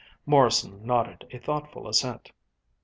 Morrison nodded a thoughtful assent.